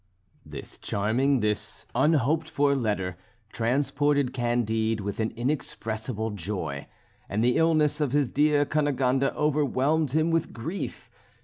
This charming, this unhoped for letter transported Candide with an inexpressible joy, and the illness of his dear Cunegonde overwhelmed him with grief.